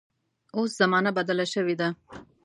اوس زمانه بدله شوې ده.